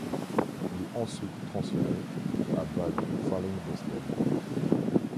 Il est ensuite transféré à Bad Fallingbostel.